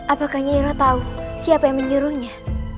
apakah nyairo tahu siapa yang menyuruhnya